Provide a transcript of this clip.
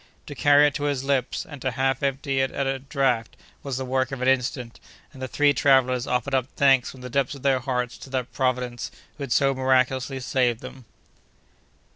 To carry it to his lips, and to half empty it at a draught, was the work of an instant, and the three travellers offered up thanks from the depths of their hearts to that Providence who had so miraculously saved them.